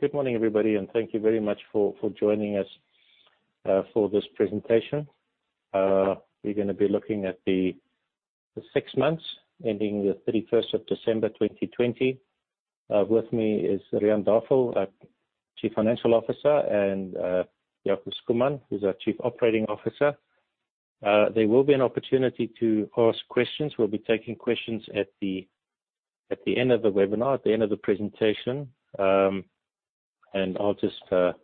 Good morning, everybody, and thank you very much for joining us for this presentation. We're going to be looking at the six months ending the 31st of December 2020. With me is Riaan Davel, our Chief Financial Officer, and Jaco Schoeman, who's our Chief Operating Officer. There will be an opportunity to ask questions. We'll be taking questions at the end of the webinar, at the end of the presentation. I'll just pass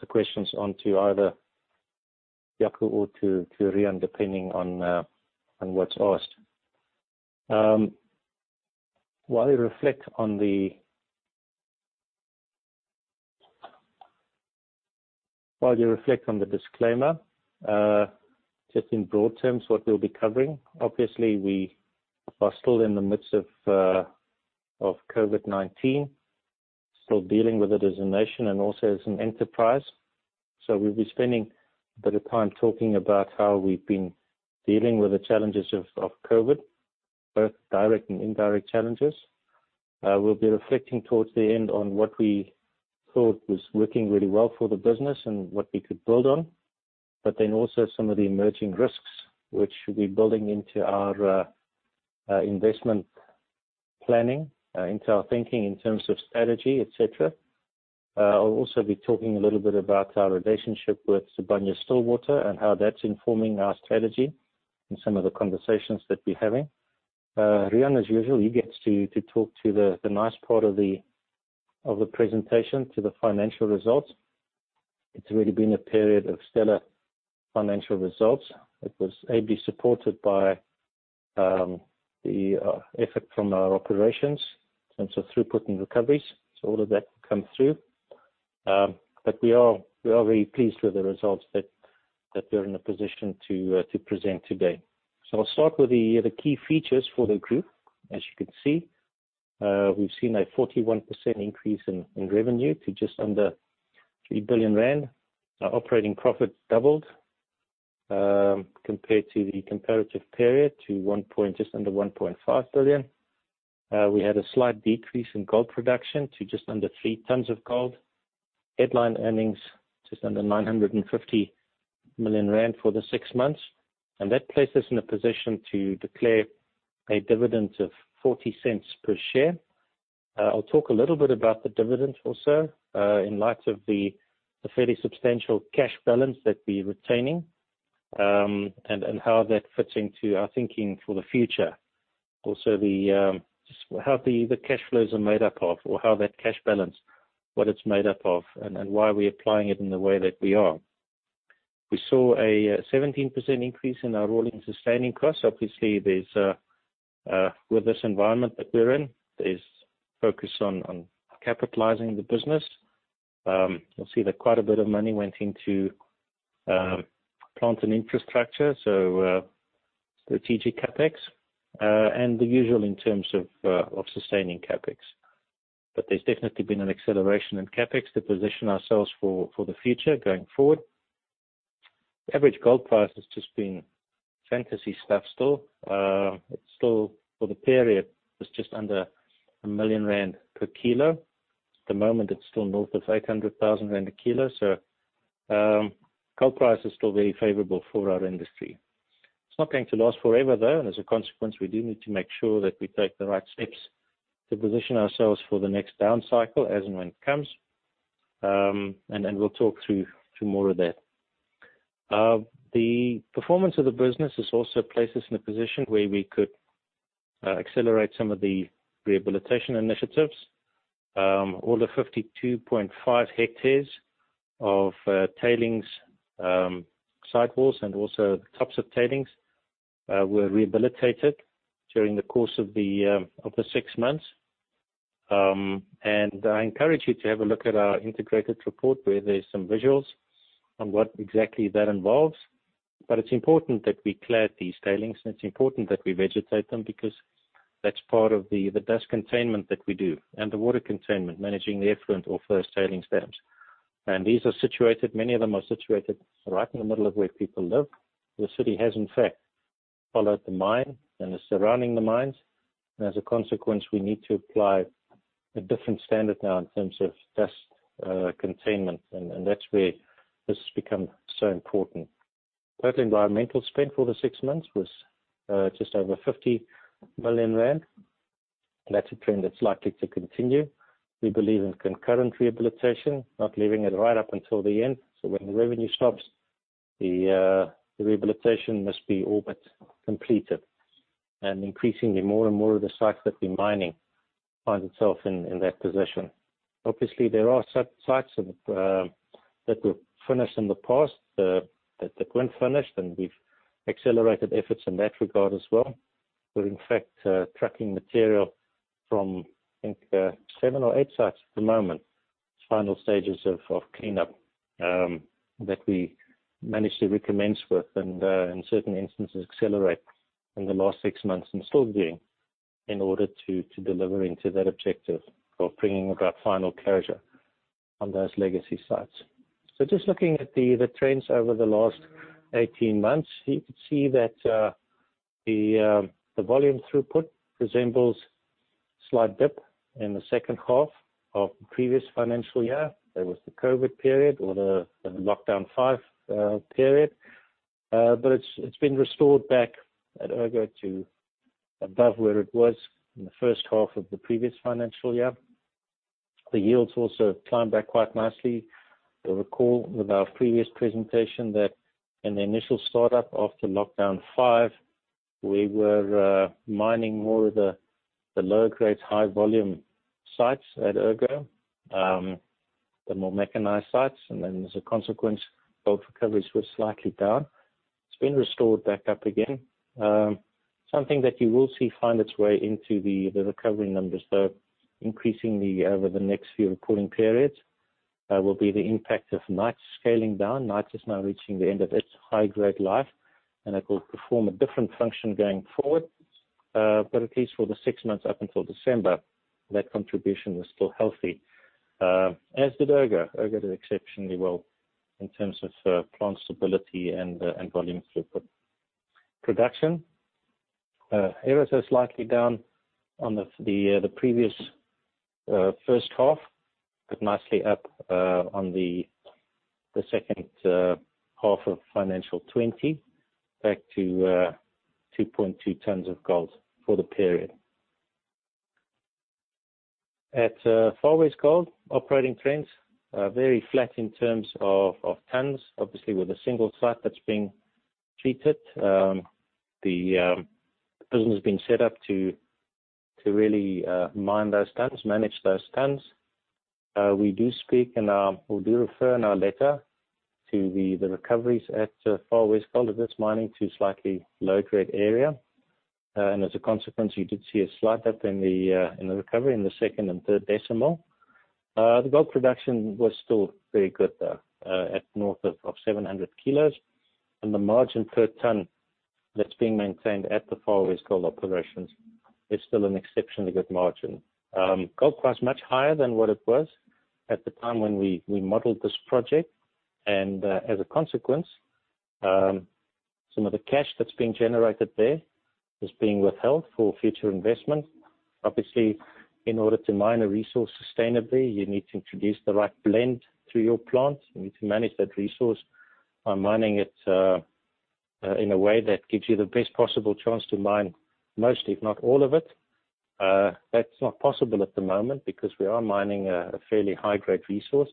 the questions on to either Jaco or to Riaan, depending on what's asked. While you reflect on the disclaimer, just in broad terms, what we'll be covering. Obviously, we are still in the midst of COVID-19. Still dealing with it as a nation and also as an enterprise. We'll be spending a bit of time talking about how we've been dealing with the challenges of COVID, both direct and indirect challenges. We'll be reflecting towards the end on what we thought was working really well for the business and what we could build on, but then also some of the emerging risks which we're building into our investment planning, into our thinking in terms of strategy, etc. I'll also be talking a little bit about our relationship with Sibanye-Stillwater and how that's informing our strategy and some of the conversations that we're having. Riaan, as usual, he gets to talk to the nice part of the presentation, to the financial results. It's really been a period of stellar financial results. It was heavily supported by the effort from our operations in terms of throughput and recoveries. All of that will come through. We are very pleased with the results that we're in a position to present today. I'll start with the key features for the group. As you can see, we've seen a 41% increase in revenue to just under 3 billion rand. Our operating profit doubled, compared to the comparative period, to just under 1.5 billion. We had a slight decrease in gold production to just under three tons of gold. Headline earnings, just under 950 million rand for the six months. That places in a position to declare a dividend of 0.40 per share. I'll talk a little bit about the dividend also, in light of the fairly substantial cash balance that we're retaining, and how that fits into our thinking for the future. Also, how the cash flows are made up of, or how that cash balance, what it's made up of, and why we're applying it in the way that we are. We saw a 17% increase in our rolling sustaining costs. Obviously, with this environment that we're in, there's focus on capitalizing the business. You'll see that quite a bit of money went into plant and infrastructure, so strategic CapEx, and the usual in terms of sustaining CapEx. There's definitely been an acceleration in CapEx to position ourselves for the future going forward. Average gold price has just been fantasy stuff still. It's still, for the period, was just under 1 million rand per kilo. At the moment, it's still north of 800,000 rand a kilo. Gold price is still very favorable for our industry. It's not going to last forever, though, and as a consequence, we do need to make sure that we take the right steps to position ourselves for the next down cycle as and when it comes. We'll talk through more of that. The performance of the business has also placed us in a position where we could accelerate some of the rehabilitation initiatives. All the 52.5 hectares of tailings sides and also tops of tailings were rehabilitated during the course of the six months. I encourage you to have a look at our integrated report, where there's some visuals on what exactly that involves. It's important that we clear these tailings, and it's important that we vegetate them because that's part of the dust containment that we do and the water containment, managing the effluent off those tailings dams. Many of them are situated right in the middle of where people live. The city has, in fact, followed the mine and is surrounding the mines. As a consequence, we need to apply a different standard now in terms of dust containment, and that's where this has become so important. Total environmental spend for the six months was just over 50 million rand. That's a trend that's likely to continue. We believe in concurrent rehabilitation, not leaving it right up until the end. When the revenue stops, the rehabilitation must be all but completed. Increasingly, more and more of the sites that we're mining find itself in that position. Obviously, there are sites that were finished in the past that weren't finished, and we've accelerated efforts in that regard as well. We're in fact, trucking material from, I think, seven or eight sites at the moment. It's final stages of cleanup that we managed to recommence with and, in certain instances, accelerate in the last six months and still doing in order to deliver into that objective of bringing about final closure on those legacy sites. Just looking at the trends over the last 18 months, you could see that the volume throughput resembles slight dip in the second half of the previous financial year. There was the COVID period or the lockdown five period. It's been restored back at Ergo to above where it was in the first half of the previous financial year. The yields also climbed back quite nicely. You'll recall with our previous presentation that in the initial startup after lockdown five, we were mining more of the lower grade, high volume sites at Ergo, the more mechanized sites. As a consequence, gold recovery was slightly down. It's been restored back up again. Something that you will see find its way into the recovery numbers, though, increasingly over the next few reporting periods, will be the impact of Knights scaling down. Knights is now reaching the end of its high-grade life. It will perform a different function going forward. At least for the six months up until December, that contribution was still healthy. As did Ergo. Ergo did exceptionally well in terms of plant stability and volume throughput. Production. Ergo is slightly down on the previous first half, nicely up on the second half of financial 2020, back to 2.2 tons of gold for the period. At Far West Gold, operating trends are very flat in terms of tons. Obviously, with a single site that's being treated. The plant has been set up to really mine those tons, manage those tons. We do speak and we do refer in our letter to the recoveries at Far West Gold as it's mining to slightly lower grade area. As a consequence, you did see a slight dip in the recovery in the second and third decimal. The gold production was still very good, though, at north of 700 kilos. The margin per ton that's being maintained at the Far West Gold operations is still an exceptionally good margin. Gold price much higher than what it was at the time when we modeled this project. As a consequence, some of the cash that's being generated there is being withheld for future investment. Obviously, in order to mine a resource sustainably, you need to introduce the right blend through your plant. You need to manage that resource by mining it in a way that gives you the best possible chance to mine most, if not all of it. That's not possible at the moment because we are mining a fairly high-grade resource.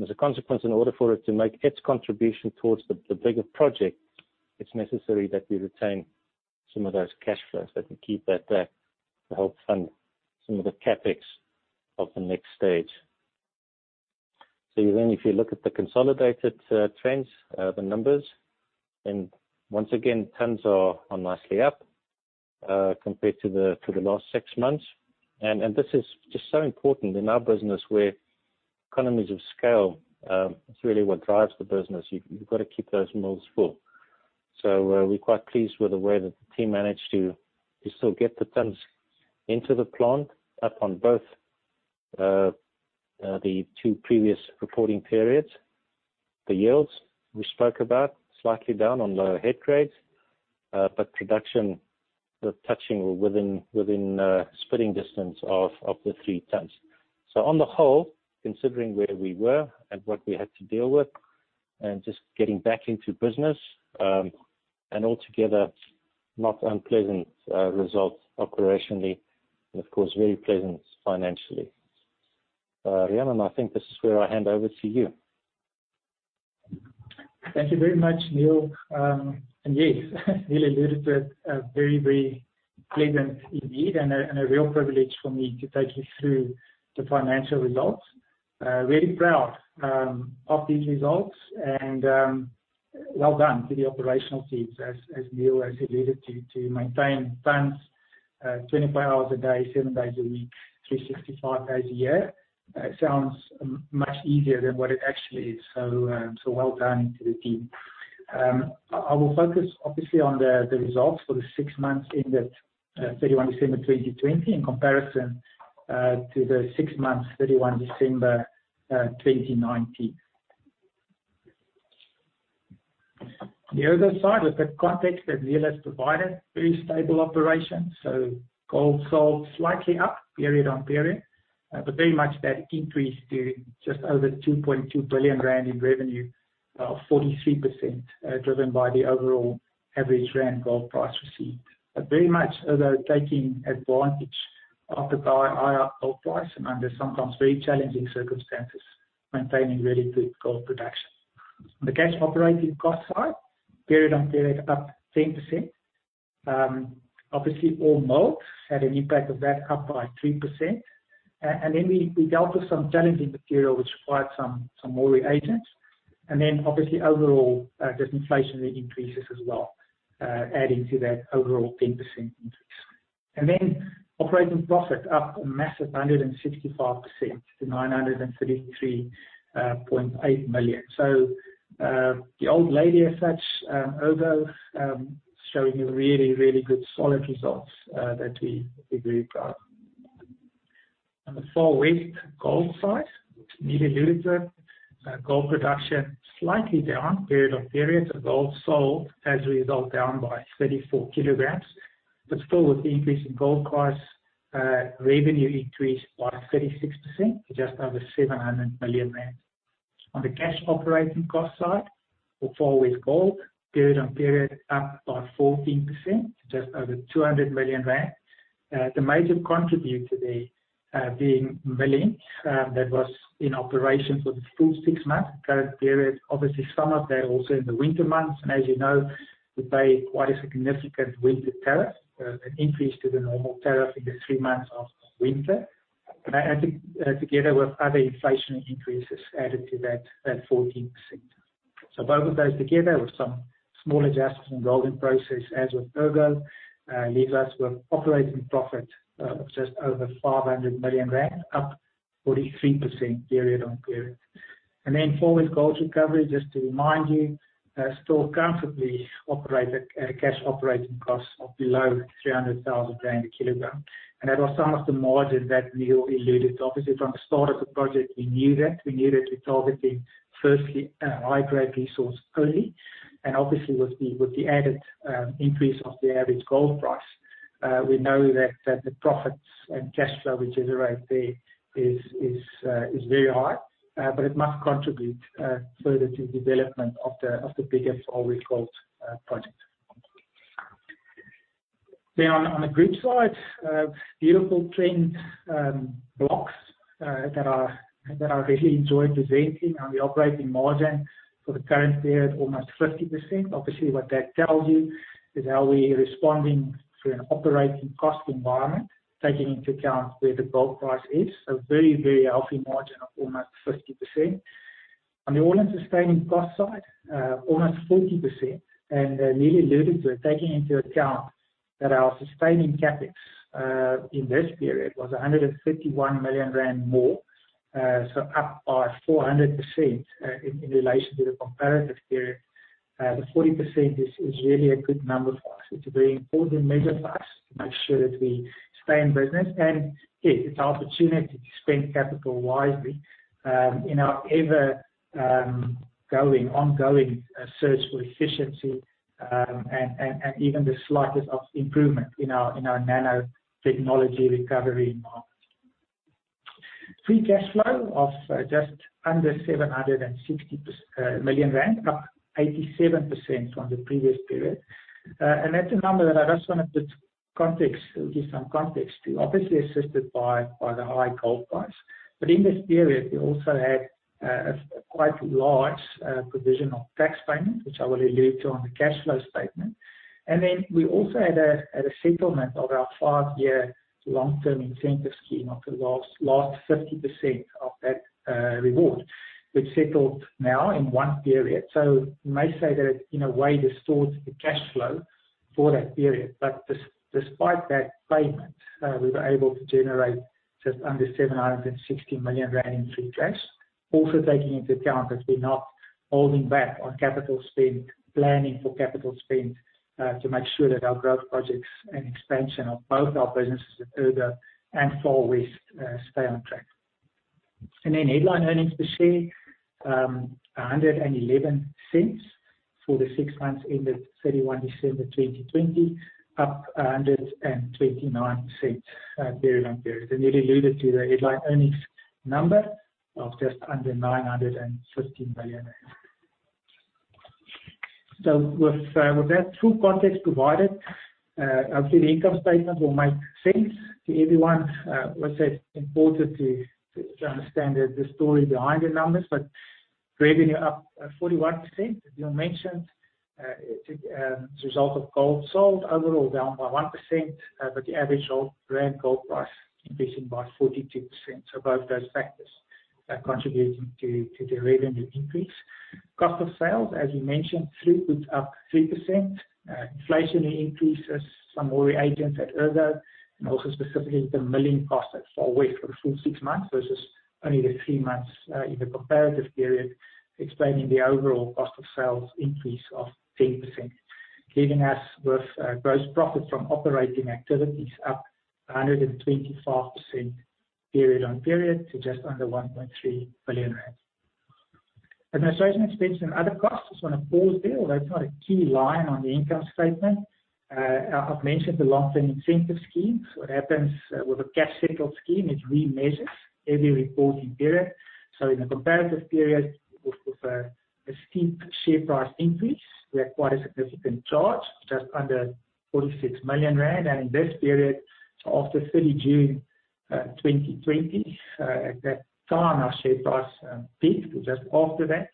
As a consequence, in order for it to make its contribution towards the bigger project, it's necessary that we retain some of those cash flows that we keep out there to help fund some of the CapEx of the next stage. If you look at the consolidated trends, the numbers, and once again, tons are nicely up compared to the last six months. This is just so important in our business where economies of scale, it's really what drives the business. You've got to keep those mills full. We're quite pleased with the way that the team managed to still get the tons into the plant up on both the two previous reporting periods. The yields we spoke about, slightly down on lower head grades but production touching within spitting distance of the three tons. On the whole, considering where we were and what we had to deal with and just getting back into business, altogether, not unpleasant results operationally, of course, very pleasant financially. Riaan, I think this is where I hand over to you. Thank you very much, Niël. Yes, Niël alluded to it, very, very pleasant indeed, and a real privilege for me to take you through the financial results. Very proud of these results and well done to the operational teams, as Niël has alluded to maintain tons, 24 hours a day, seven days a week, 365 days a year. It sounds much easier than what it actually is. Well done to the team. I will focus obviously on the results for the six months ended 31 December 2020 in comparison to the six months 31 December 2019. The other side with the context that Niël has provided, very stable operations. Gold sold slightly up period on period. Very much that increase to just over 2.2 billion rand in revenue, 43% driven by the overall average rand gold price received. Very much although taking advantage of the higher gold price and under sometimes very challenging circumstances, maintaining really good gold production. The cash operating cost side, period on period, up 10%. Obviously all mills had an impact of that up by 3%. We dealt with some challenging material which required some more reagents. Obviously overall, there's inflationary increases as well, adding to that overall 10% increase. Operating profit up a massive 165% to 933.8 million. The old lady as such, Ergo, showing really, really good, solid results that we're very proud of. On the Far West Gold side, which Niël alluded, gold production slightly down period on period. Gold sold as a result, down by 34 kg. Still with the increase in gold price, revenue increased by 36% to just over 700 million rand. On the cash operating cost side, for Far West Gold Recoveries, period on period up by 14% to just over 200 million rand. The major contributor there being milling that was in operation for the full six months current period. Obviously, some of that also in the winter months, and as you know, we pay quite a significant winter tariff, an increase to the normal tariff in the three months of winter. I think together with other inflationary increases added to that 14%. Both of those together with some small adjustments in the tolling process as with Ergo, leaves us with operating profit of just over 500 million rand, up 43% period on period. Far West Gold Recoveries, just to remind you, still comfortably operate at a cash operating cost of below 300,000 rand a kilogram. That was some of the margin that Niël alluded to. From the start of the project, we knew that. We knew that we're targeting firstly, a high-grade resource only. Obviously with the added increase of the average rand gold price, we know that the profits and cash flow we generate there is very high, but it must contribute further to the development of the biggest Far West Gold project. On the group side, beautiful trend blocks that I really enjoy presenting on the operating margin for the current period, almost 50%. Obviously, what that tells you is how we're responding to an operating cost environment, taking into account where the rand gold price is. Very, very healthy margin of almost 50%. On the all-in sustaining cost side, almost 40%. Niël alluded to it, taking into account that our sustaining CapEx in this period was 151 million rand more, so up by 400% in relation to the comparative period. The 40% is really a good number for us. It's a very important measure for us to make sure that we stay in business and, yes, it's opportunity to spend capital wisely in our ever ongoing search for efficiency, and even the slightest of improvement in our nanotechnology recovery margin. Free cash flow of just under 760 million rand, up 87% from the previous period. That's a number that I just wanted to give some context to. Obviously assisted by the high gold price. In this period, we also had a quite large provision of tax payment, which I will allude to on the cash flow statement. We also had a settlement of our five-year long term incentive scheme of the last 50% of that reward, which settled now in one period. You may say that in a way distorts the cash flow for that period. Despite that payment, we were able to generate just under 760 million rand in free cash. Also taking into account that we're not holding back on capital spend, planning for capital spend, to make sure that our growth projects and expansion of both our businesses at Ergo and Far West stay on track. Headline earnings per share, 1.11 for the six months ended 31 December 2020, up 1.29 period on period. Niël alluded to the headline earnings number of just under 950 million. With that true context provided, obviously the income statement will make sense to everyone. Let's say it's important to understand the story behind the numbers. Revenue up 41%, as Niël mentioned, as a result of gold sold overall down by 1%, but the average rand gold price increasing by 42%. Both those factors are contributing to the revenue increase. Cost of sales, as we mentioned, throughput up 3%. Inflationary increases, some reagents at Ergo and also specifically the milling cost at Far West for the full six months versus only the three months in the comparative period, explaining the overall cost of sales increase of 10%. Leaving us with gross profit from operating activities up 125% period on period to just under 1.3 billion rand. Administration expense and other costs, just want to pause there, although it's not a key line on the income statement. I've mentioned the long-term incentive scheme. What happens with a cash settled scheme, it remeasures every reporting period. In the comparative period, with a steep share price increase, we had quite a significant charge, just under 46 million rand. In this period, after 30 June 2020, at that time our share price peaked just after that.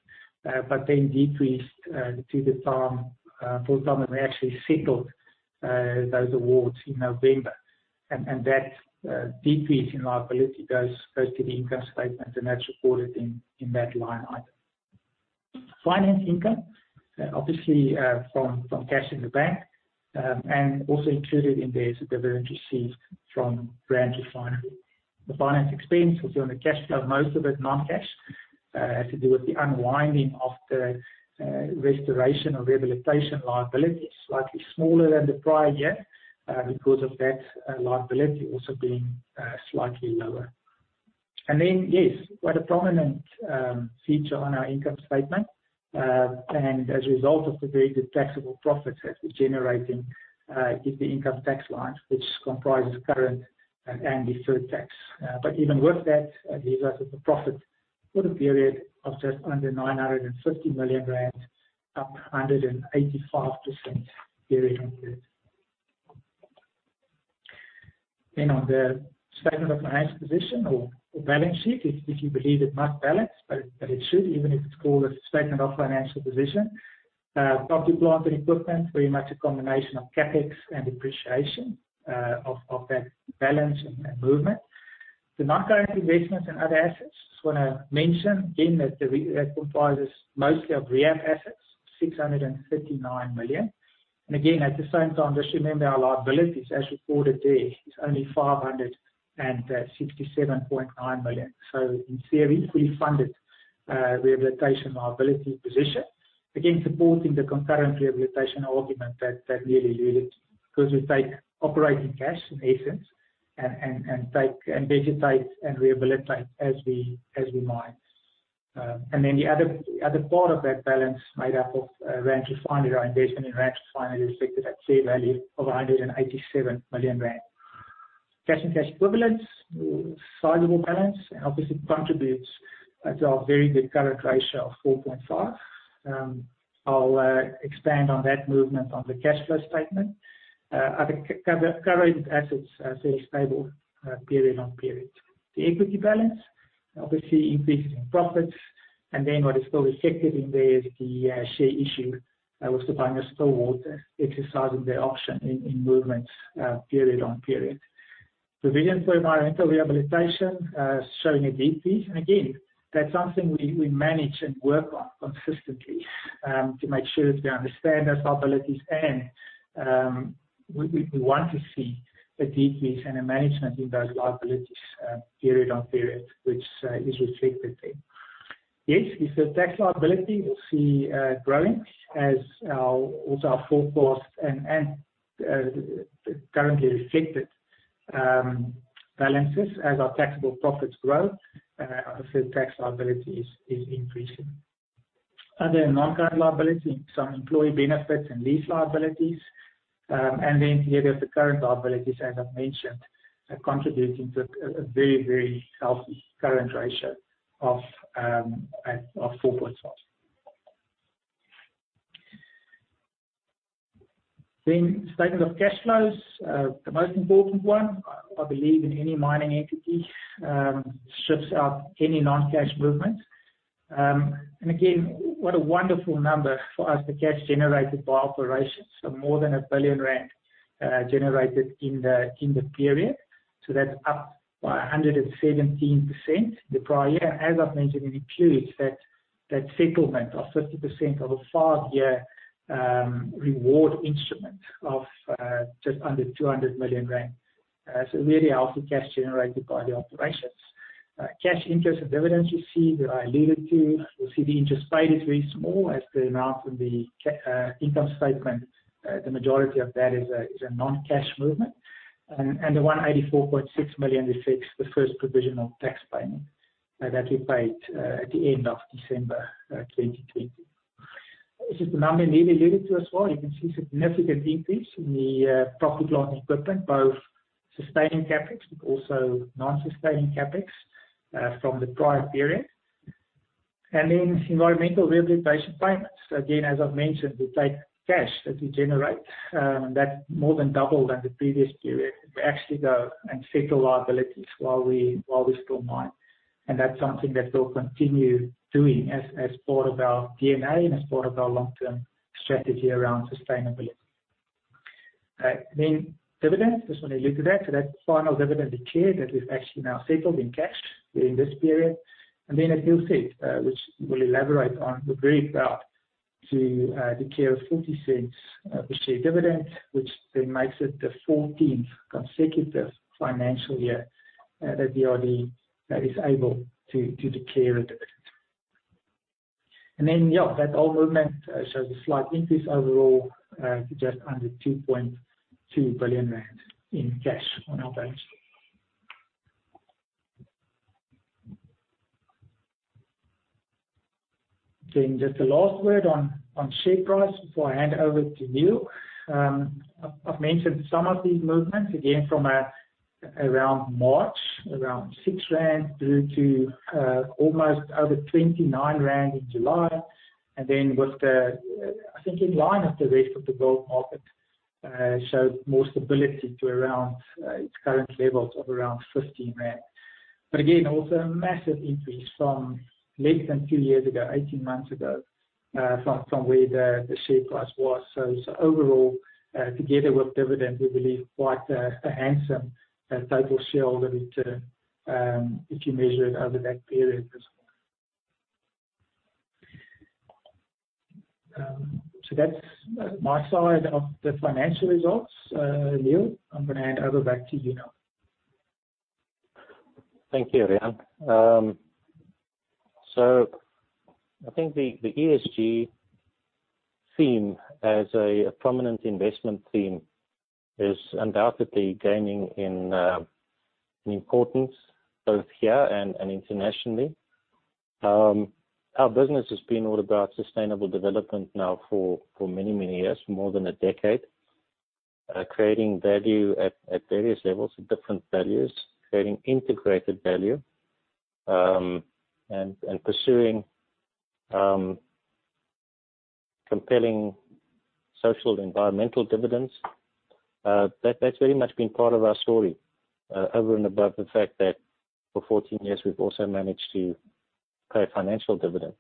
Decreased to the time, full time when we actually settled those awards in November. That decrease in liability goes first to the income statement, and that's reported in that line item. Finance income, obviously, from cash in the bank. Also included in there is the dividend received from Rand Refinery. The finance expense was on the cash flow, most of it non-cash. Has to do with the unwinding of the restoration or rehabilitation liability. Slightly smaller than the prior year because of that liability also being slightly lower. Yes, quite a prominent feature on our income statement, and as a result of the very good taxable profits that we're generating, is the income tax line, which comprises current and deferred tax. even with that, it leaves us with a profit for the period of just under 950 million rand, up 185% year-on-year. On the statement of financial position or balance sheet, if you believe it must balance, but it should, even if it's called a statement of financial position. Property, plant and equipment, very much a combination of CapEx and depreciation of that balance and movement. The non-current investments and other assets, just wanna mention again, that comprises mostly of rehab assets, 639 million. again, at the same time, just remember our liabilities as reported there is only 567.9 million. In theory, fully funded rehabilitation liability position. Again, supporting the concurrent rehabilitation argument that really does take operating cash in essence and vegetate and rehabilitate as we mine. The other part of that balance made up of Rand Refinery, our investment in Rand Refinery reflected at fair value of 187 million rand. Cash and cash equivalents, sizable balance and obviously contributes to our very good current ratio of 4.5. I'll expand on that movement on the cash flow statement. Other current assets fairly stable period on period. The equity balance obviously increases in profits and then what is still reflected in there is the share issue with Sibanye-Stillwater exercising their option in movements period on period. Provisions for environmental rehabilitation showing a decrease. Again, that's something we manage and work on consistently to make sure that we understand those liabilities, and we want to see a decrease and a management in those liabilities, period on period, which is reflected there. Yes, it's the tax liability we'll see growing as our, what I forecast and currently reflected balances as our taxable profits grow, our deferred tax liability is increasing. Other non-current liability, some employee benefits and lease liabilities. here there's the current liabilities, as I've mentioned, contributing to a very healthy current ratio of 4.5. Statement of cash flows, the most important one, I believe, in any mining entity strips out any non-cash movements. Again, what a wonderful number for us, the cash generated by operations. more than 1 billion rand generated in the period. That's up by 117% the prior year. As I've mentioned in the period, that settlement of 50% of a five-year reward instrument of just under 200 million rand. Really healthy cash generated by the operations. Cash interest and dividends you see that I alluded to. You'll see the interest paid is very small as the amount in the income statement, the majority of that is a non-cash movement. The 184.6 million reflects the first provisional tax payment that we paid at the end of December 2020. This is the number Niël alluded to as well. You can see significant increase in the property, plant and equipment, both sustaining CapEx but also non-sustaining CapEx from the prior period. Then environmental rehabilitation payments. Again, as I've mentioned, we take cash that we generate, and that more than doubled than the previous period. We actually go and settle liabilities while we still mine. That's something that we'll continue doing as part of our DNA and as part of our long-term strategy around sustainability. Dividends, just wanna allude to that. that final dividend declared that we've actually now settled in cash during this period. As Niël said, which we'll elaborate on, we're very proud to declare a 0.40 per share dividend, which then makes it the 14th consecutive financial year that DRD is able to declare a dividend. Yeah, that whole movement shows a slight increase overall to just under 2.2 billion rand in cash on our balance sheet. Just a last word on share price before I hand over to Niël. I've mentioned some of these movements again from around March, around 6 rand through to almost over 29 rand in July. I think in line with the rest of the gold market, showed more stability to around its current levels of around 15 rand. Again, also a massive increase from less than two years ago, 18 months ago, from where the share price was. Overall, together with dividend, we believe quite a handsome total shareholder return, if you measure it over that period as well. That's my side of the financial results. Niël, I'm going to hand over back to you now. Thank you, Riaan. I think the ESG theme as a prominent investment theme is undoubtedly gaining in importance both here and internationally. Our business has been all about sustainable development now for many, many years, more than a decade. Creating value at various levels with different values, creating integrated value, and pursuing compelling social environmental dividends. That's very much been part of our story over and above the fact that for 14 years we've also managed to pay a financial dividend.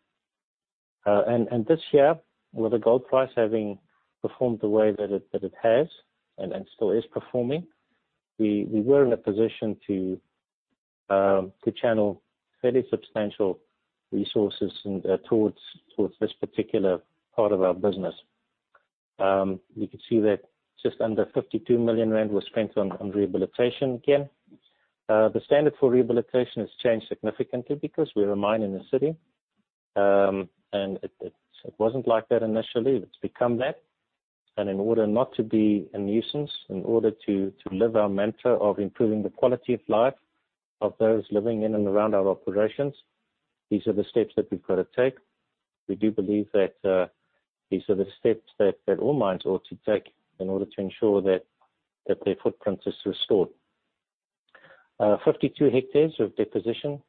This year, with the gold price having performed the way that it has and still is performing, we were in a position to channel fairly substantial resources towards this particular part of our business. You can see that just under 52 million rand was spent on rehabilitation again. The standard for rehabilitation has changed significantly because we're a mine in a city. It wasn't like that initially. It's become that. In order not to be a nuisance, in order to live our mantra of improving the quality of life of those living in and around our operations, these are the steps that we've got to take. We do believe that these are the steps that all mines ought to take in order to ensure that their footprint is restored. 52 hectares of deposition,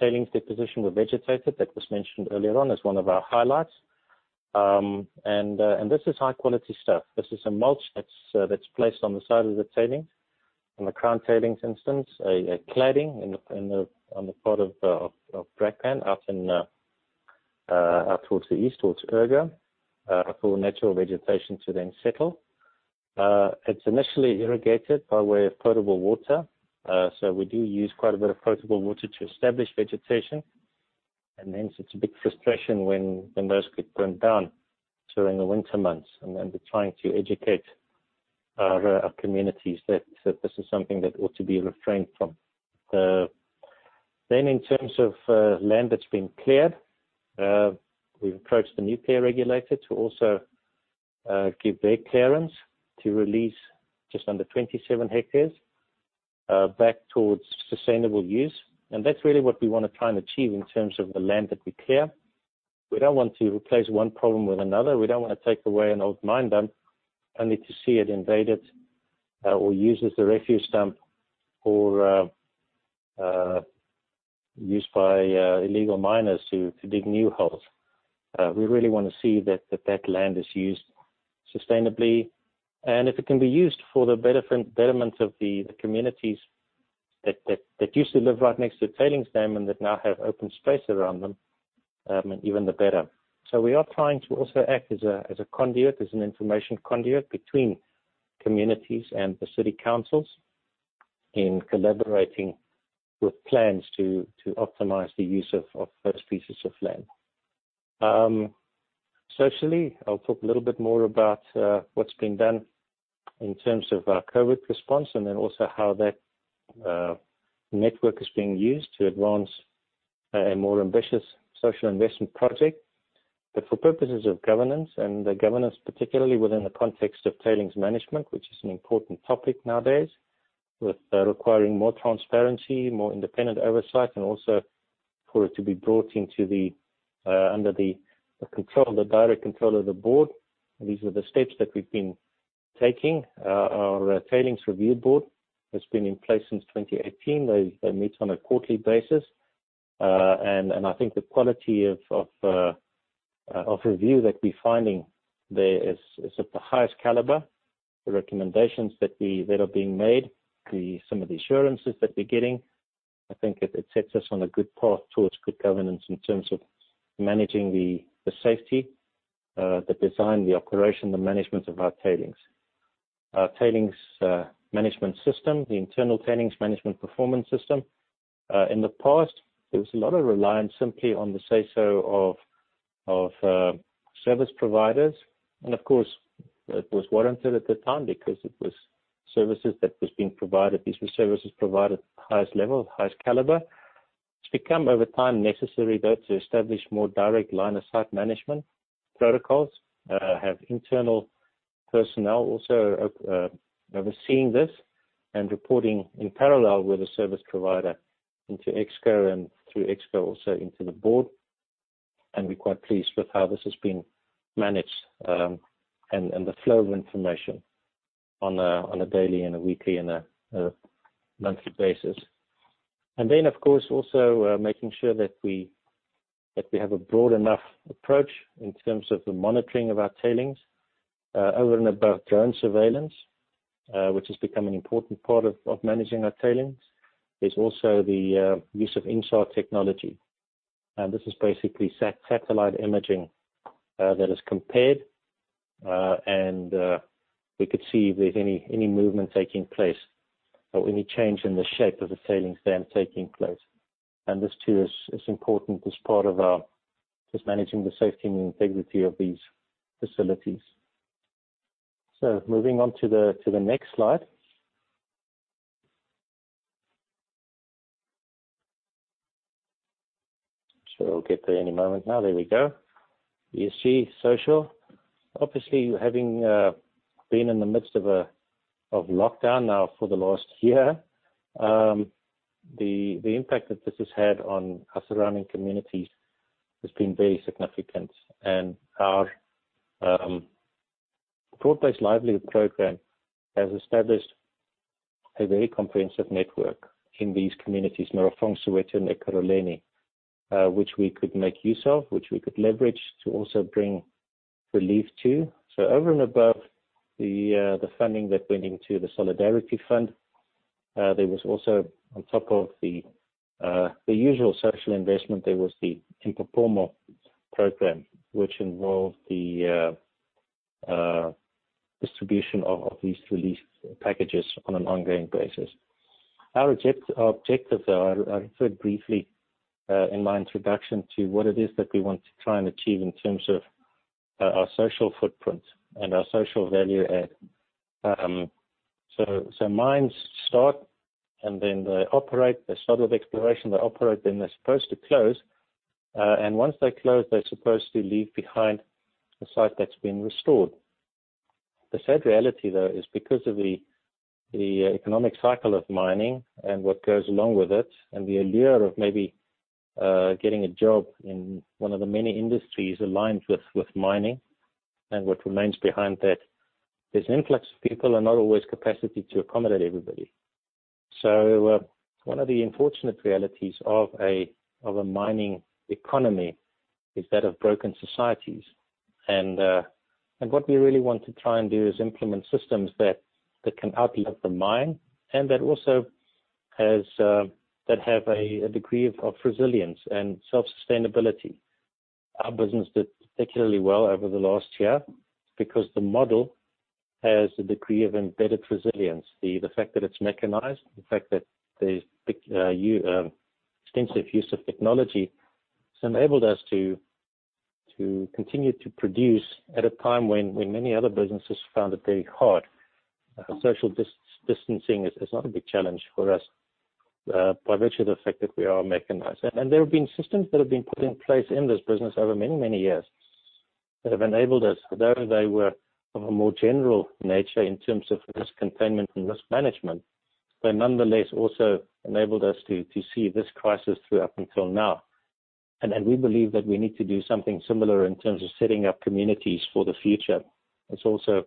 tailings deposition were vegetated, that was mentioned earlier on as one of our highlights. This is high-quality stuff. This is a mulch that's placed on the side of the tailings. On the Crown Tailings instance, a cladding on the part of Brakpan out towards the East, towards Ergo, for natural vegetation to then settle. It's initially irrigated by way of potable water. We do use quite a bit of potable water to establish vegetation. It's a big frustration when the most get burnt down during the winter months, and we're trying to educate our communities that this is something that ought to be refrained from. In terms of land that's been cleared, we've approached the nuclear regulator to also give their clearance to release just under 27 hectares back towards sustainable use. That's really what we want to try and achieve in terms of the land that we clear. We don't want to replace one problem with another. We don't want to take away an old mine dump only to see it invaded or used as a refuse dump or used by illegal miners to dig new holes. We really want to see that land is used sustainably, and if it can be used for the betterment of the communities that used to live right next to the tailings dam and that now have open space around them, even the better. We are trying to also act as a conduit, as an information conduit between communities and the city councils in collaborating with plans to optimize the use of those pieces of land. Socially, I'll talk a little bit more about what's being done in terms of our COVID response, and then also how that network is being used to advance a more ambitious social investment project. For purposes of governance and the governance, particularly within the context of tailings management, which is an important topic nowadays with requiring more transparency, more independent oversight, and also for it to be brought under the direct control of the board. These are the steps that we've been taking. Our Tailings Review Board has been in place since 2018. I think the quality of review that we're finding there is of the highest caliber. The recommendations that are being made, some of the assurances that we're getting, I think it sets us on a good path towards good governance in terms of managing the safety, the design, the operation, the management of our tailings. Our tailings management system, the internal tailings management performance system. In the past, there was a lot of reliance simply on the say-so of service providers. Of course, it was warranted at the time because it was services that was being provided. These were services provided at the highest level, highest caliber. It's become over time necessary, though, to establish more direct line of sight management protocols, have internal personnel also overseeing this and reporting in parallel with the service provider into Exco and through Exco also into the board. We're quite pleased with how this has been managed, and the flow of information on a daily and a weekly and a monthly basis. Of course, also making sure that we have a broad enough approach in terms of the monitoring of our tailings. Over and above drone surveillance, which has become an important part of managing our tailings. There's also the use of InSAR technology. This is basically satellite imaging that is compared we could see if there's any movement taking place or any change in the shape of the tailings dam taking place. This too is important as part of our just managing the safety and integrity of these facilities. Moving on to the next slide. I'm sure we'll get there any moment now. There we go. You see social. Obviously, having been in the midst of lockdown now for the last year, the impact that this has had on our surrounding communities has been very significant. Our Broad-Based Livelihood program has established a very comprehensive network in these communities, Merafong, Soweto, and Ekurhuleni which we could make use of, which we could leverage to also bring relief to. Over and above the funding that went into the Solidarity Fund, there was also, on top of the usual social investment, there was the Impophomo program, which involved the distribution of these relief packages on an ongoing basis. Our objectives are, I referred briefly in my introduction to what it is that we want to try and achieve in terms of our social footprint and our social value add. Mines start and then they operate. They start with exploration, they operate, then they're supposed to close. Once they close, they're supposed to leave behind a site that's been restored. The sad reality, though, is because of the economic cycle of mining and what goes along with it, and the allure of maybe getting a job in one of the many industries aligned with mining and what remains behind that, there's an influx of people and not always capacity to accommodate everybody. One of the unfortunate realities of a mining economy is that of broken societies. What we really want to try and do is implement systems that can outlive the mine, and that also have a degree of resilience and self-sustainability. Our business did particularly well over the last year because the model has a degree of embedded resilience. The fact that it's mechanized, the fact that there's extensive use of technology has enabled us to continue to produce at a time when many other businesses found it very hard. Social distancing is not a big challenge for us by virtue of the fact that we are mechanized. There have been systems that have been put in place in this business over many, many years that have enabled us, although they were of a more general nature in terms of risk containment and risk management, but nonetheless also enabled us to see this crisis through up until now. We believe that we need to do something similar in terms of setting up communities for the future, and also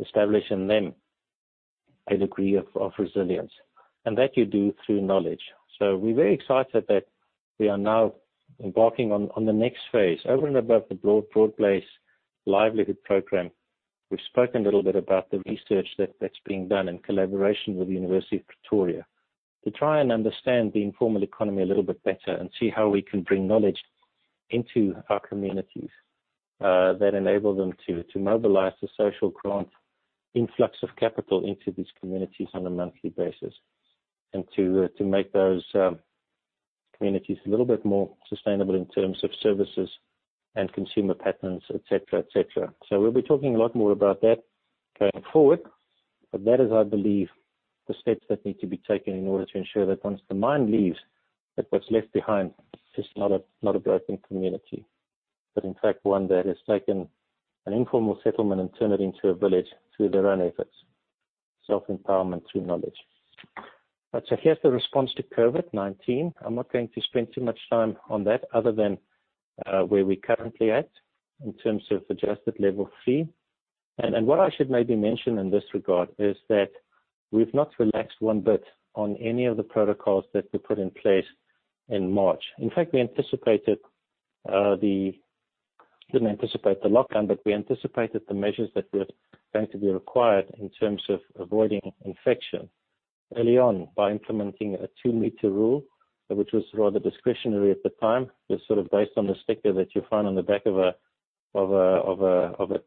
establishing in them a degree of resilience. That you do through knowledge. We're very excited that we are now embarking on the next phase over and above the Broad-Based Livelihood program. We've spoken a little bit about the research that's being done in collaboration with the University of Pretoria to try and understand the informal economy a little bit better and see how we can bring knowledge into our communities that enable them to mobilize the social grant influx of capital into these communities on a monthly basis, and to make those communities a little bit more sustainable in terms of services and consumer patterns, etc. We'll be talking a lot more about that going forward, but that is, I believe, the steps that need to be taken in order to ensure that once the mine leaves, that what's left behind is not a broken community, but in fact one that has taken an informal settlement and turn it into a village through their own efforts, self-empowerment through knowledge. Here's the response to COVID-19. I'm not going to spend too much time on that other than where we're currently at in terms of adjusted level three. What I should maybe mention in this regard is that we've not relaxed one bit on any of the protocols that we put in place in March. In fact, we didn't anticipate the lockdown, but we anticipated the measures that were going to be required in terms of avoiding infection early on by implementing a 2 m rule, which was rather discretionary at the time. It was sort of based on the sticker that you find on the back of a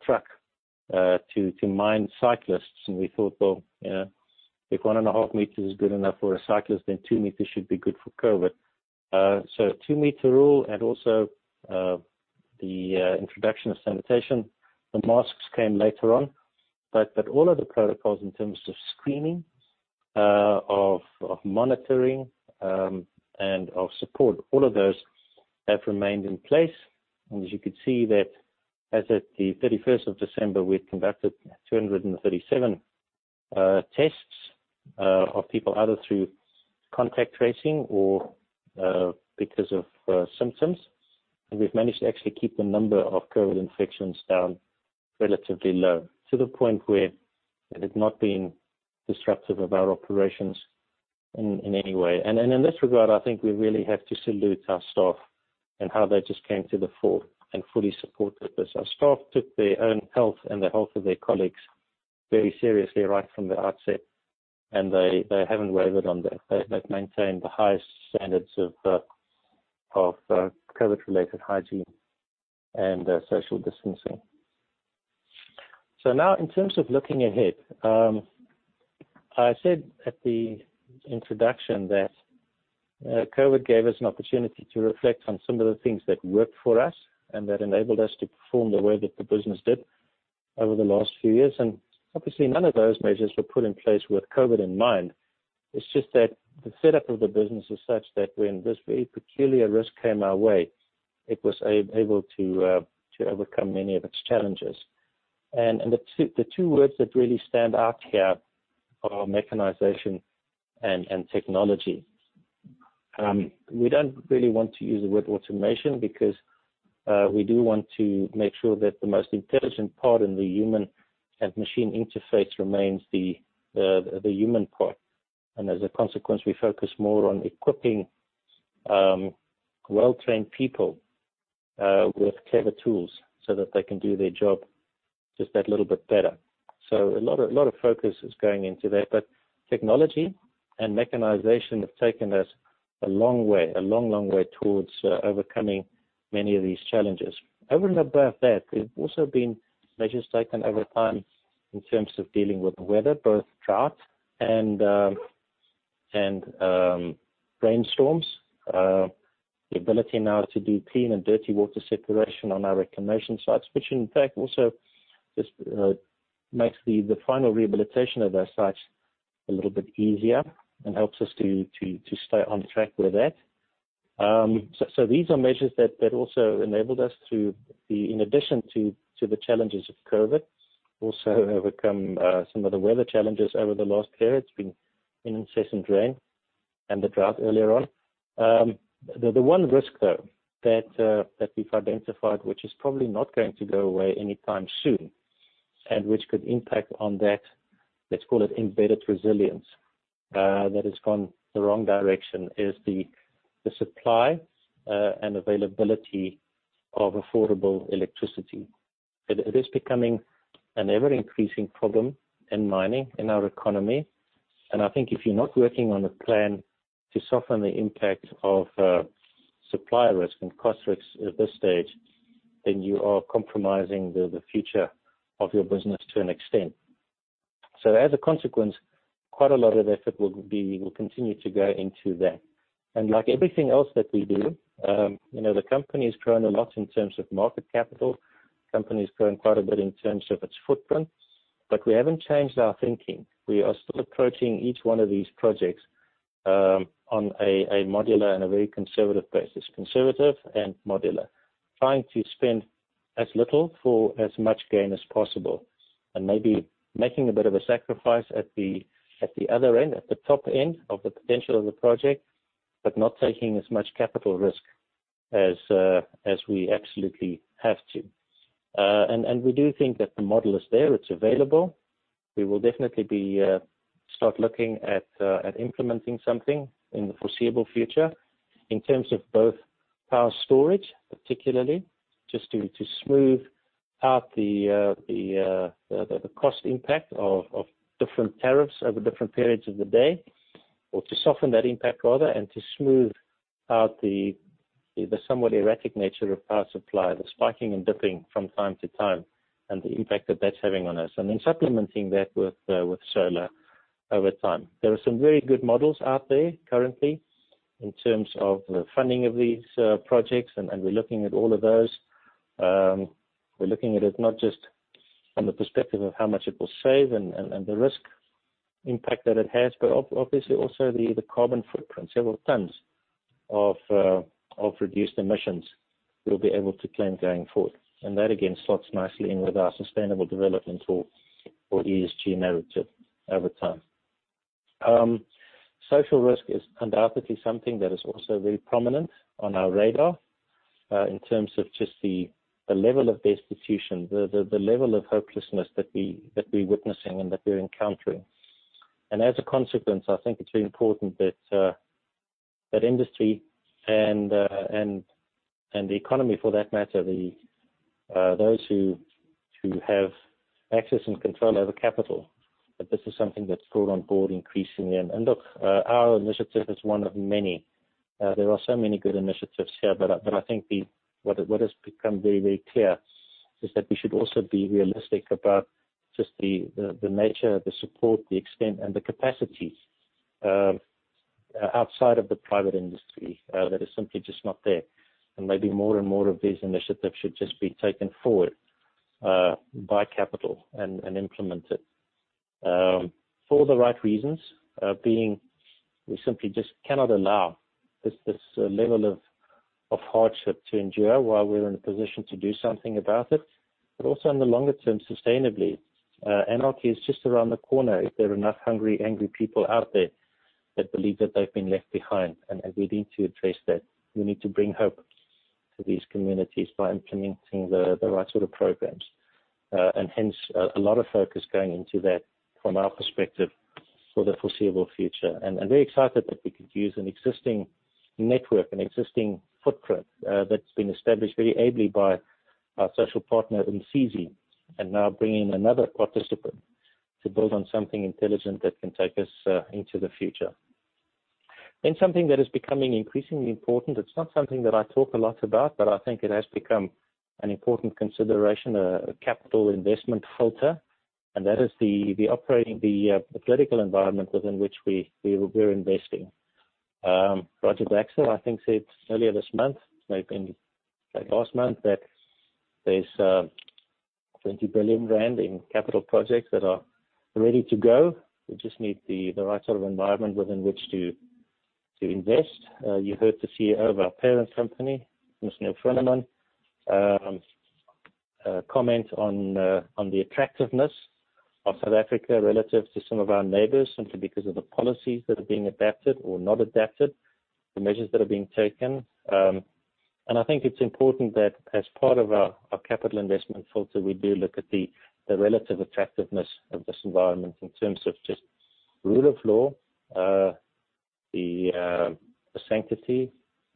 truck to mind cyclists. We thought, well, if one and a half meters is good enough for a cyclist, then 2 m should be good for COVID. A 2 m rule and also the introduction of sanitation. The masks came later on. All of the protocols in terms of screening, of monitoring, and of support, all of those have remained in place. As you could see that as at the 31st of December, we had conducted 237 tests of people, either through contact tracing or because of symptoms. We've managed to actually keep the number of COVID infections down relatively low, to the point where it has not been disruptive of our operations in any way. In this regard, I think we really have to salute our staff and how they just came to the fore and fully supported this. Our staff took their own health and the health of their colleagues very seriously right from the outset, and they haven't wavered on that. They've maintained the highest standards of COVID-related hygiene and social distancing. Now in terms of looking ahead, I said at the introduction that COVID gave us an opportunity to reflect on some of the things that worked for us and that enabled us to perform the way that the business did over the last few years, and obviously, none of those measures were put in place with COVID in mind. It's just that the setup of the business is such that when this very peculiar risk came our way, it was able to overcome many of its challenges. The two words that really stand out here are mechanization and technology. We don't really want to use the word automation because we do want to make sure that the most intelligent part in the human and machine interface remains the human part. As a consequence, we focus more on equipping well-trained people with clever tools so that they can do their job just that little bit better. A lot of focus is going into that. Technology and mechanization have taken us a long way, a long, long way towards overcoming many of these challenges. Over and above that, there have also been measures taken over time in terms of dealing with weather, both drought and rainstorms. The ability now to do clean and dirty water separation on our reclamation sites, which in fact also just makes the final rehabilitation of our sites a little bit easier and helps us to stay on track with that. These are measures that also enabled us to be, in addition to the challenges of COVID, also overcome some of the weather challenges over the last year. It's been an incessant rain and a drought earlier on. The one risk, though, that we've identified, which is probably not going to go away anytime soon and which could impact on that, let's call it embedded resilience that has gone the wrong direction, is the supply and availability of affordable electricity. It is becoming an ever-increasing problem in mining in our economy, and I think if you're not working on a plan to soften the impact of supply risk and cost risks at this stage, then you are compromising the future of your business to an extent. As a consequence, quite a lot of effort will continue to go into that. Like everything else that we do, the company's grown a lot in terms of market capital. Company's grown quite a bit in terms of its footprint, but we haven't changed our thinking. We are still approaching each one of these projects on a modular and a very conservative basis. Conservative and modular. Trying to spend as little for as much gain as possible, and maybe making a bit of a sacrifice at the other end, at the top end of the potential of the project, but not taking as much capital risk as we absolutely have to. We do think that the model is there. It's available. We will definitely start looking at implementing something in the foreseeable future in terms of both power storage, particularly just to smooth out the cost impact of different tariffs over different periods of the day or to soften that impact rather, and to smooth out the somewhat erratic nature of power supply, the spiking and dipping from time to time, and the impact that that's having on us. Supplementing that with solar over time. There are some very good models out there currently in terms of the funding of these projects, and we're looking at all of those. We're looking at it not just from the perspective of how much it will save and the risk impact that it has, but obviously also the carbon footprint, several tons of reduced emissions we'll be able to claim going forward. That, again, slots nicely in with our sustainable development or ESG narrative over time. Social risk is undoubtedly something that is also very prominent on our radar in terms of just the level of destitution, the level of hopelessness that we're witnessing and that we're encountering. As a consequence, I think it's very important that industry and the economy for that matter, those who have access and control over capital, that this is something that's brought on board increasingly. Look, our initiative is one of many. There are so many good initiatives here, but I think what has become very, very clear is that we should also be realistic about just the nature, the support, the extent, and the capacities outside of the private industry that is simply just not there. Maybe more and more of these initiatives should just be taken forward by capital and implemented for the right reasons being we simply just cannot allow this level of hardship to endure while we're in a position to do something about it, but also in the longer term, sustainably. Anarchy is just around the corner if there are enough hungry, angry people out there that believe that they've been left behind, and we need to address that. We need to bring hope to these communities by implementing the right sort of programs. Hence, a lot of focus going into that from our perspective for the foreseeable future. Very excited that we could use an existing network, an existing footprint that's been established very ably by our social partner, Mphephethi, and now bringing another participant to build on something intelligent that can take us into the future. Something that is becoming increasingly important, it's not something that I talk a lot about, but I think it has become an important consideration, a capital investment filter, and that is the political environment within which we're investing. Roger Baxter, I think, said earlier this month, maybe last month, that there's 20 billion rand in capital projects that are ready to go. We just need the right sort of environment within which to invest. You heard the CEO of our parent company, Mr. Neal Froneman, comment on the attractiveness of South Africa relative to some of our neighbors, simply because of the policies that are being adapted or not adapted, the measures that are being taken. I think it's important that as part of our capital investment filter, we do look at the relative attractiveness of this environment in terms of just rule of law, the sanctity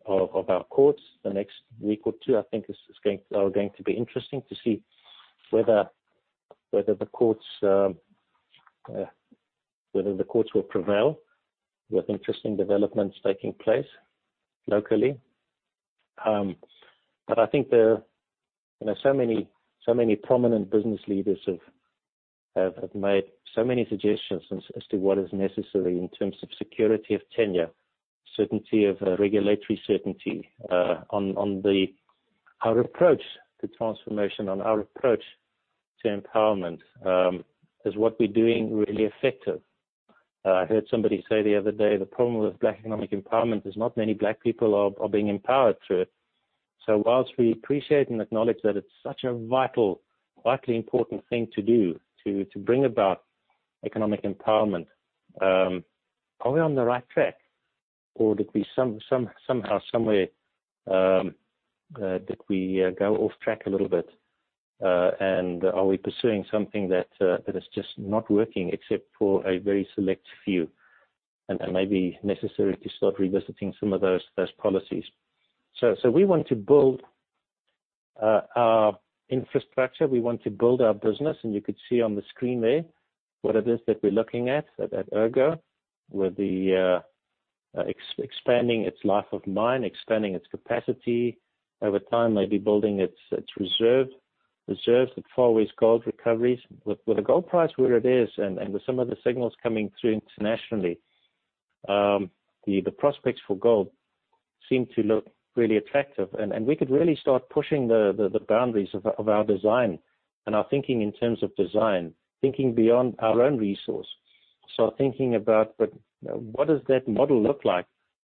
of our courts. The next week or two, I think, are going to be interesting to see whether the courts will prevail. We have interesting developments taking place locally. I think so many prominent business leaders have made so many suggestions as to what is necessary in terms of security of tenure, regulatory certainty, on our approach to transformation, on our approach to empowerment. Is what we're doing really effective? I heard somebody say the other day, the problem with Black Economic Empowerment is not many black people are being empowered through it. While we appreciate and acknowledge that it's such a vital, vitally important thing to do to bring about economic empowerment, are we on the right track? Did we somehow, somewhere, did we go off track a little bit? Are we pursuing something that is just not working except for a very select few? It may be necessary to start revisiting some of those policies. We want to build our infrastructure, we want to build our business, and you could see on the screen there, what it is that we're looking at Ergo. We're expanding its life of mine, expanding its capacity over time, maybe building its reserves at Far West Gold Recoveries. With the gold price where it is and with some of the signals coming through internationally, the prospects for gold seem to look really attractive. We could really start pushing the boundaries of our design and our thinking in terms of design, thinking beyond our own resource. Thinking about what does that model look like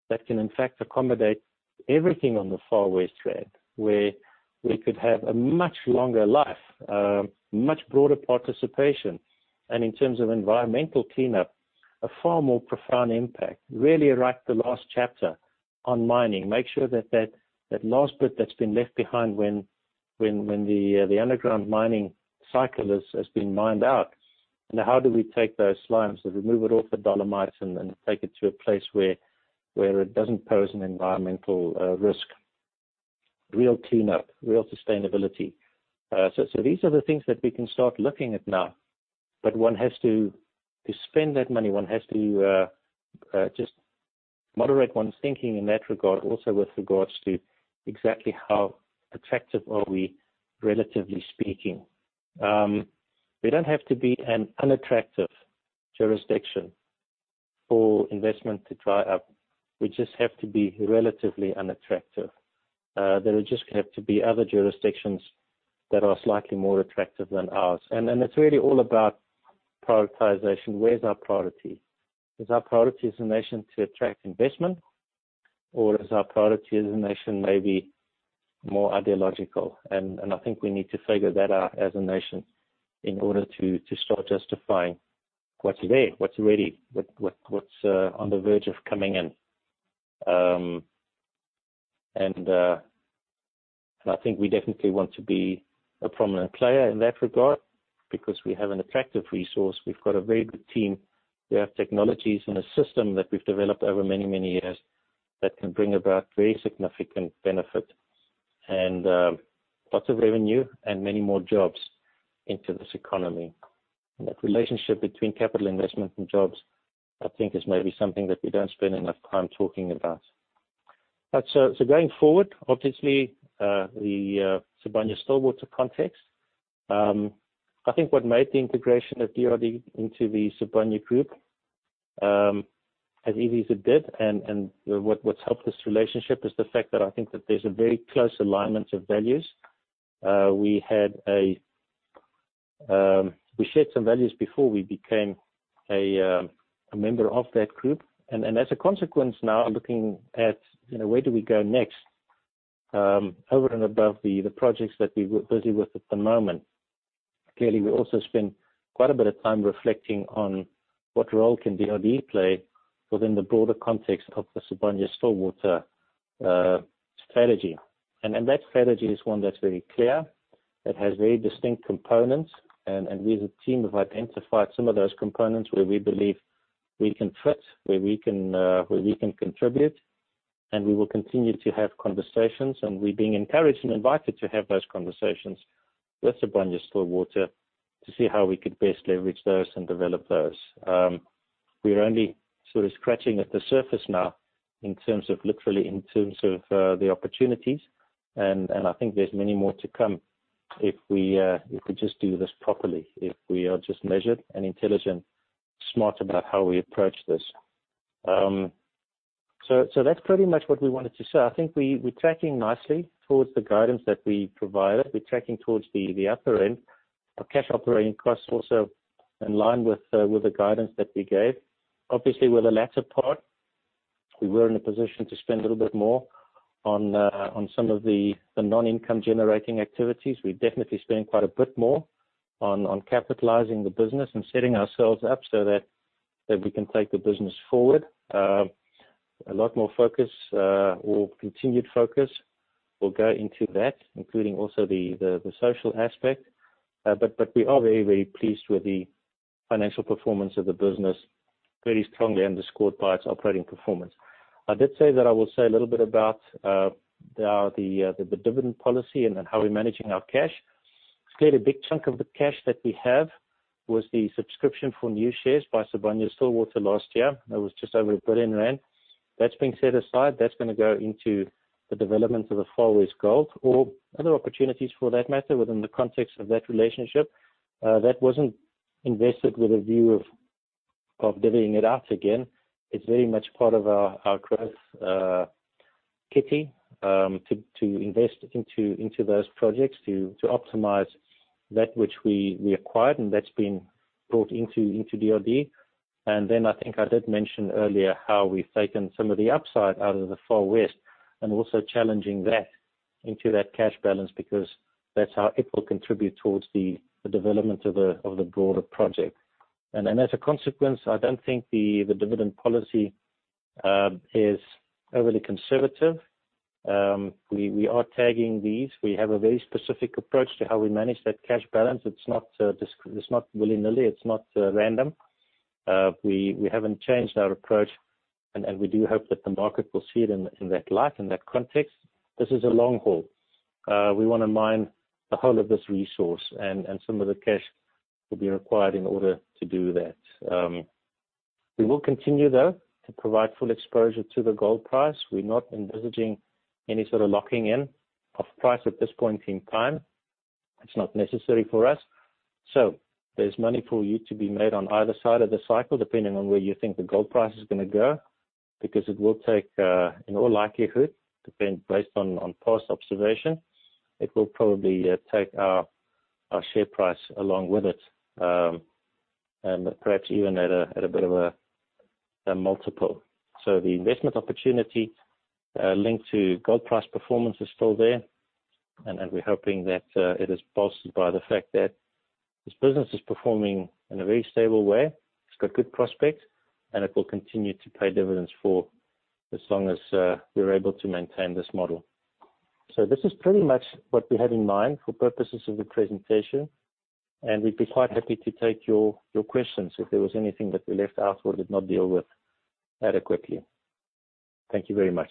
that can in fact accommodate everything on the Far West trend, where we could have a much longer life, much broader participation, and in terms of environmental cleanup, a far more profound impact. Really write the last chapter on mining. Make sure that last bit that's been left behind when the underground mining cycle has been mined out. How do we take those slimes and remove it off the dolomite and take it to a place where it doesn't pose an environmental risk. Real cleanup, real sustainability. These are the things that we can start looking at now, but one has to spend that money. One has to just moderate one's thinking in that regard. Also with regards to exactly how attractive are we, relatively speaking. We don't have to be an unattractive jurisdiction for investment to dry up. We just have to be relatively unattractive. There just have to be other jurisdictions that are slightly more attractive than ours. It's really all about prioritization. Where's our priority? Is our priority as a nation to attract investment? Is our priority as a nation maybe more ideological? I think we need to figure that out as a nation in order to start justifying what's there, what's ready, what's on the verge of coming in. I think we definitely want to be a prominent player in that regard because we have an attractive resource. We've got a very good team. We have technologies and a system that we've developed over many, many years that can bring about very significant benefit and lots of revenue and many more jobs into this economy. That relationship between capital investment and jobs, I think, is maybe something that we don't spend enough time talking about. Going forward, obviously, the Sibanye-Stillwater context. I think what made the integration of DRD into the Sibanye group as easy as it did, and what's helped this relationship is the fact that I think that there's a very close alignment of values. We shared some values before we became a member of that group. As a consequence, now, looking at where do we go next, over and above the projects that we're busy with at the moment. Clearly, we also spend quite a bit of time reflecting on what role can DRD play within the broader context of the Sibanye-Stillwater strategy. That strategy is one that's very clear. It has very distinct components. We as a team have identified some of those components where we believe we can fit, where we can contribute. We will continue to have conversations, and we're being encouraged and invited to have those conversations with Sibanye-Stillwater to see how we could best leverage those and develop those. We are only sort of scratching at the surface now literally in terms of the opportunities, and I think there's many more to come if we could just do this properly, if we are just measured and intelligent, smart about how we approach this. That's pretty much what we wanted to say. I think we're tracking nicely towards the guidance that we provided. We're tracking towards the upper end of cash operating costs also in line with the guidance that we gave. Obviously, with the latter part, we were in a position to spend a little bit more on some of the non-income generating activities. We've definitely spent quite a bit more on capitalizing the business and setting ourselves up so that we can take the business forward. A lot more focus or continued focus will go into that, including also the social aspect. We are very, very pleased with the financial performance of the business, very strongly underscored by its operating performance. I did say that I will say a little bit about the dividend policy and how we're managing our cash. Clearly, a big chunk of the cash that we have was the subscription for new shares by Sibanye-Stillwater last year. That was just over 1 billion rand. That's been set aside. That's going to go into the development of the Far West Gold or other opportunities for that matter, within the context of that relationship. That wasn't invested with a view of divvying it out again. It's very much part of our growth kitty to invest into those projects, to optimize that which we acquired, and that's been brought into DRD. I think I did mention earlier how we've taken some of the upside out of the Far West and also challenging that into that cash balance because that's how it will contribute towards the development of the broader project. As a consequence, I don't think the dividend policy is overly conservative. We are tagging these. We have a very specific approach to how we manage that cash balance. It's not willy-nilly. It's not random. We haven't changed our approach, and we do hope that the market will see it in that light, in that context. This is a long haul. We want to mine the whole of this resource, and some of the cash will be required in order to do that. We will continue, though, to provide full exposure to the gold price. We're not envisaging any sort of locking in of price at this point in time. It's not necessary for us. There's money for you to be made on either side of the cycle, depending on where you think the gold price is going to go, because it will take, in all likelihood, based on past observation, it will probably take our share price along with it, and perhaps even at a bit of a multiple. The investment opportunity linked to gold price performance is still there, and we're hoping that it is bolstered by the fact that this business is performing in a very stable way. It's got good prospects, and it will continue to pay dividends for as long as we're able to maintain this model. This is pretty much what we had in mind for purposes of the presentation, and we'd be quite happy to take your questions if there was anything that we left out or did not deal with adequately. Thank you very much.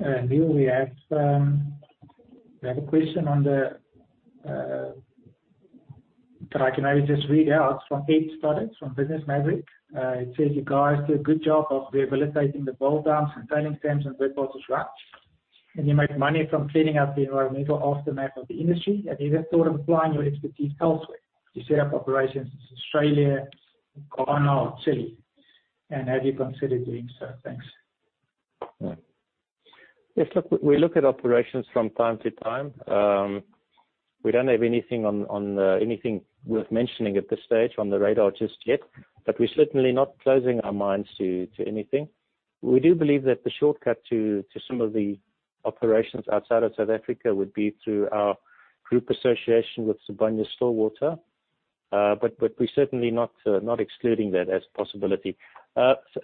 Niël, we have a question. That I can maybe just read out from Ed Stoddard from Business Maverick. It says, "You guys do a good job of rehabilitating the gold dumps and tailings dams and reef waste rocks, and you make money from cleaning up the environmental aftermath of the industry. Have you ever thought of applying your expertise elsewhere? To set up operations in Australia, Ghana or Chile? Have you considered doing so? Thanks. Yes. Look, we look at operations from time to time. We don't have anything worth mentioning at this stage on the radar just yet, but we're certainly not closing our minds to anything. We do believe that the shortcut to some of the operations outside of South Africa would be through our group association with Sibanye-Stillwater. We're certainly not excluding that as a possibility.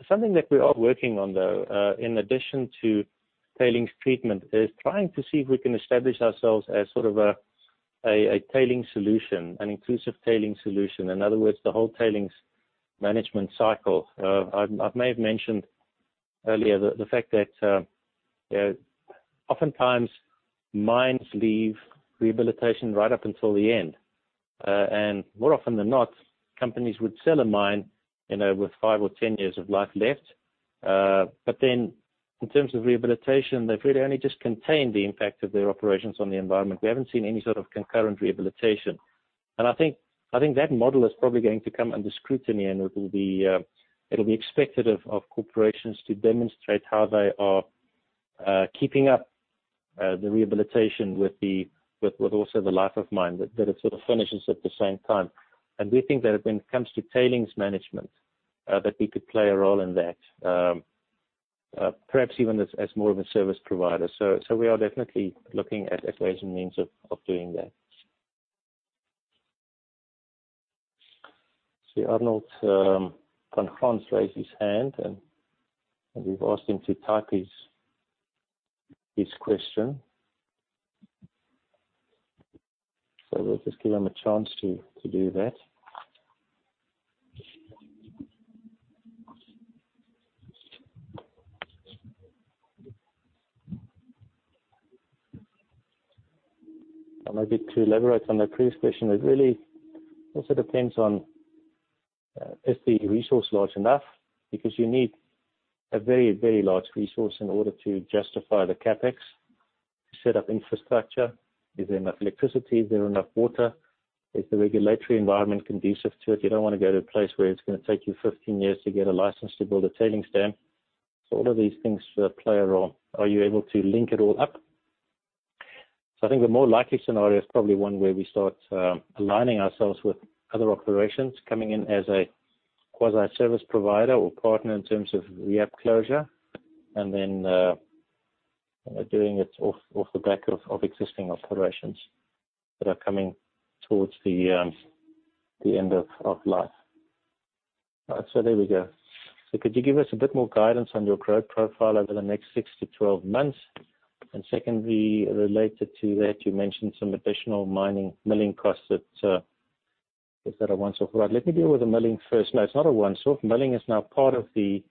Something that we are working on, though, in addition to tailings treatment, is trying to see if we can establish ourselves as sort of a tailings solution, an inclusive tailings solution. In other words, the whole tailings management cycle. I may have mentioned earlier the fact that oftentimes mines leave rehabilitation right up until the end. More often than not, companies would sell a mine with five or 10 years of life left. In terms of rehabilitation, they've really only just contained the impact of their operations on the environment. We haven't seen any sort of concurrent rehabilitation. I think that model is probably going to come under scrutiny, and it'll be expected of corporations to demonstrate how they are keeping up the rehabilitation with also the life of mine, that it sort of finishes at the same time. We think that when it comes to tailings management, that we could play a role in that, perhaps even as more of a service provider. We are definitely looking at ways and means of doing that. I see Arnold van Graan raised his hand, and we've asked him to type his question. We'll just give them a chance to do that. Maybe to elaborate on that previous question, it really also depends on if the resource large enough, because you need a very large resource in order to justify the CapEx to set up infrastructure. Is there enough electricity? Is there enough water? Is the regulatory environment conducive to it? You don't want to go to a place where it's going to take you 15 years to get a license to build a tailings dam. All of these things play a role. Are you able to link it all up? I think the more likely scenario is probably one where we start aligning ourselves with other operations coming in as a quasi service provider or partner in terms of the at closure, and then doing it off the back of existing operations that are coming towards the end of life. There we go. Could you give us a bit more guidance on your growth profile over the next six to 12 months? Secondly, related to that, you mentioned some additional mining, milling costs that, is that a once-off? Right, let me deal with the milling first. No, it's not a once-off. Milling is now part of the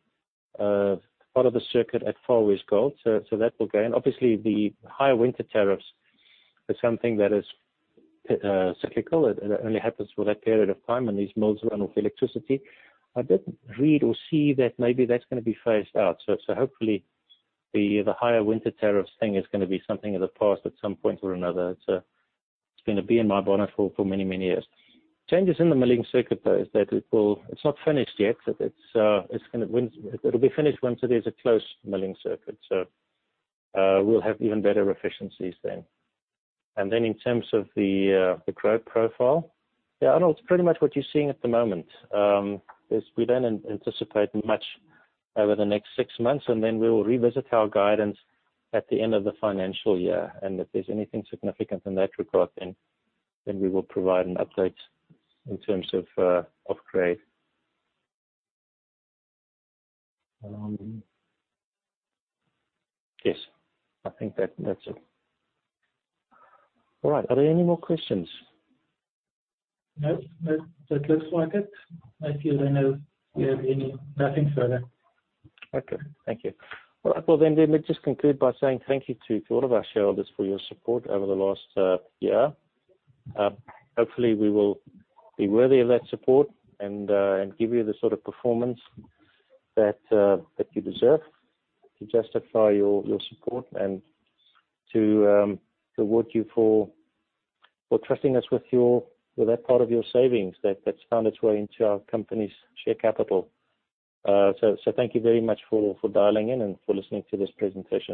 circuit at Far West Gold. That will go in. Obviously, the higher winter tariffs is something that is cyclical. It only happens for that period of time when these mills run off electricity. I did read or see that maybe that's going to be phased out. Hopefully the higher winter tariffs thing is going to be something of the past at some point or another. It's going to be in my bonnet for many, many years. Changes in the milling circuit, though, is that it will. It's not finished yet. It'll be finished once there's a closed milling circuit. We'll have even better efficiencies then. In terms of the growth profile. Yeah, Arnold, it's pretty much what you're seeing at the moment, is we don't anticipate much over the next six months, and then we will revisit our guidance at the end of the financial year. If there's anything significant in that regard, then we will provide an update in terms of grade. Yes, I think that's it. All right. Are there any more questions? No, that looks like it. Let you know if we have any. Nothing further. Okay. Thank you. All right. Well, let me just conclude by saying thank you to all of our shareholders for your support over the last year. Hopefully, we will be worthy of that support and give you the sort of performance that you deserve to justify your support and to reward you for trusting us with that part of your savings that's found its way into our company's share capital. Thank you very much for dialing in and for listening to this presentation.